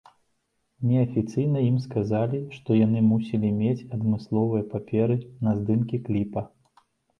Неафіцыйна ім сказалі, што яны мусілі мець адмысловыя паперы на здымкі кліпа.